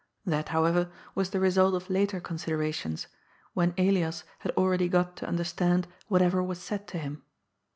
That, how ever, was the result of later considerations, when Elias had already got to understand whatever was said to him.